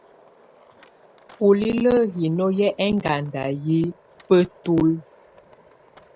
Bulilǝ́ hino hɛ́ ɛŋganda yɛ́ bǝ́tulǝ́.